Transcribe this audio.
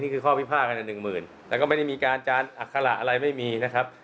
นี่คือข้อพิพากษณะ๑๐๐๐๐บาทแล้วก็ไม่ได้มีการจานอาคละอะไรไม่มีนะครับ